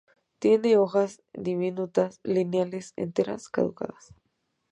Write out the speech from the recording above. Tiene hojas diminutas, lineales, enteras, caducas.